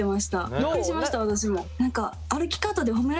びっくりしました私も。